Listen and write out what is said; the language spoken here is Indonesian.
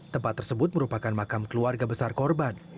tempat tersebut merupakan makam keluarga besar korban